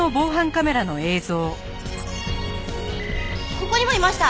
ここにもいました！